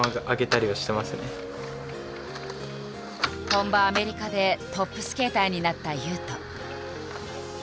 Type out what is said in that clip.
本場アメリカでトップスケーターになった雄斗。